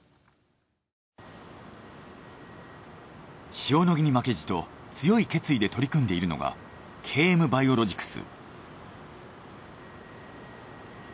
塩野義に負けじと強い決意で取り組んでいるのがＫＭバイオロジクス。